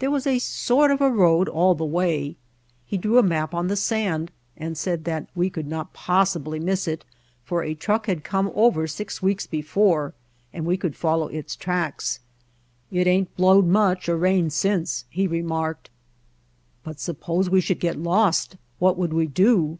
There was a sort of a road all the way. He drew a map on the sand and said that we could not possibly miss it for a truck had come over six weeks before and we could follow its tracks. "It ain't blowed much, or rained since," he remarked. "But suppose we should get lost, what would we do?"